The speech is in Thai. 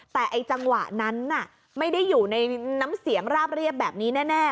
แต่ไอ้จังหวะนั้นน่ะไม่ได้อยู่ในน้ำเสียงราบเรียบแบบนี้แน่